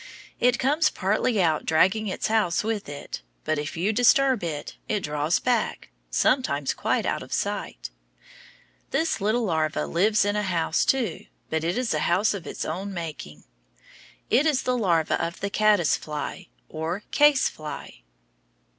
It comes partly out dragging its house with it, but if you disturb it, it draws back, sometimes quite out of sight. This little larva lives in a house, too, but it is a house of its own making. It is the larva of the caddice fly, or case fly.